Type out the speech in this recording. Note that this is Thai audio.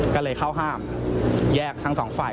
ก็เลยเข้าห้ามแยกทั้งสองฝ่าย